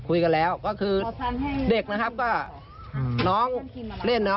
คุยกันแล้วเพราะคือเด็กแล้วน้องก็เล่นเนอะ